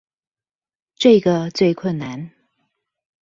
這個最困難